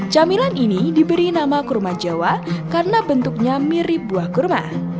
camilan ini diberi nama kurma jawa karena bentuknya mirip buah kurma